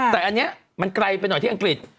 แต่อันนี้มันไกลไปหน่อยที่อังกฤษ